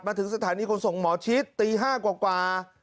ถึงสถานีขนส่งหมอชิดตี๕กว่า